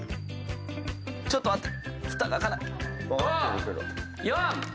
ちょっと待って。